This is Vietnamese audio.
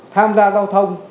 tham gia giao thông